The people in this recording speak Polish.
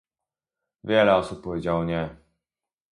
Wiele osób powiedziało "nie"